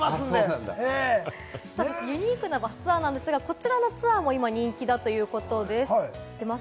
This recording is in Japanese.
ユニークなバスツアーなんですが、こちらのツアーも人気だということです。